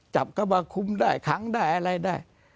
จับเข้ามาคุมได้ขังได้อะไรได้